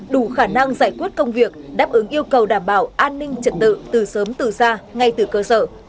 đủ khả năng giải quyết công việc đáp ứng yêu cầu đảm bảo an ninh trật tự từ sớm từ xa ngay từ cơ sở